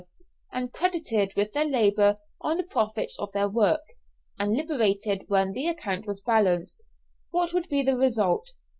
and credited with their labour on the profits on their work, and liberated when the account was balanced, what would be the result?